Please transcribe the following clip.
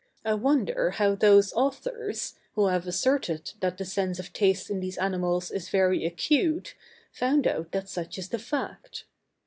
I wonder how those authors, who have asserted that the sense of taste in these animals is very acute, found out that such is the fact.